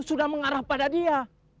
sudah mengarah pada dia